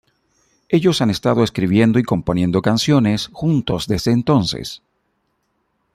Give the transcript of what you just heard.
Ellos han estado escribiendo y componiendo canciones, juntos desde entonces.